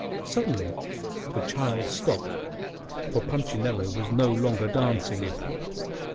Suddenly the child stopped, for Punchinello was no longer dancing.